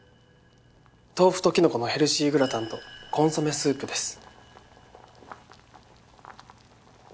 豆腐ときのこのヘルシーグラタンとコンソメスープです。